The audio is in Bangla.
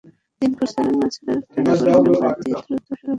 তিন ফুট ছাড়া না-ছাড়ার টানাপোড়েন বাদ দিয়ে দ্রুত সড়কটি সংস্কার জরুরি।